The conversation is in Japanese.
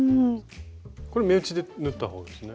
これ目打ちで縫ったほうですね？